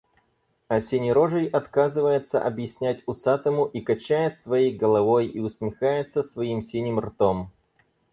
А синерожий отказывается объяснять усатому, и качает своей головой, и усмехается своим синим ртом.